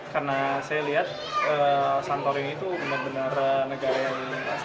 karena saya lihat santorini itu benar benar negara